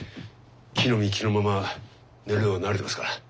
着のみ着のまま寝るのは慣れてますから。